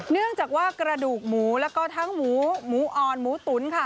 เนื่องจากว่ากระดูกหมูแล้วก็ทั้งหมูหมูอ่อนหมูตุ๋นค่ะ